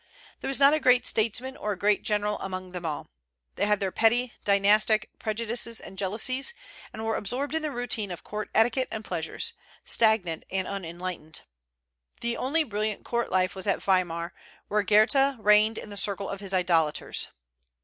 There was not a great statesman or a great general among them all. They had their petty dynastic prejudices and jealousies, and were absorbed in the routine of court etiquette and pleasures, stagnant and unenlightened. The only brilliant court life was at Weimar, where Goethe reigned in the circle of his idolaters.